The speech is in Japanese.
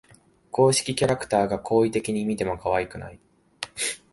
公式キャラクターが好意的に見てもかわいくない